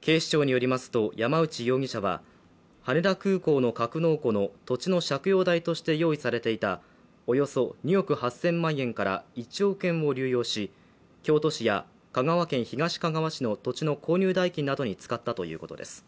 警視庁によりますと、山内容疑者は羽田空港の格納庫の土地の借用代として用意されていたおよそ２億８０００万円から１億円を流用し、京都市や香川県東かがわ市の土地の購入代金などに使ったということです。